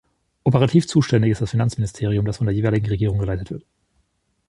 Operativ zuständig ist das Finanzministerium, das von der jeweiligen Regierung geleitet wird.